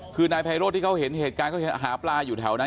คือนายไพโรธที่เขาเห็นเหตุการณ์เขาหาปลาอยู่แถวนั้น